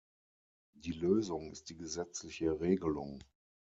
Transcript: Die Lösung ist die gesetzliche Regelung.